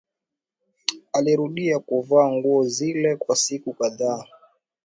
Alirudia kuvaa nguo zile kwa siku kadhaa